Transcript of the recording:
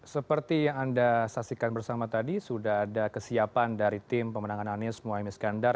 seperti yang anda saksikan bersama tadi sudah ada kesiapan dari tim pemenangan anies mohaimin iskandar